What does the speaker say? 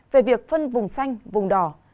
về việc phân vùng xanh vùng đỏ